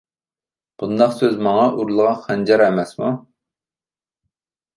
بۇنداق سۆز ماڭا ئۇرۇلغان خەنجەر ئەمەسمۇ.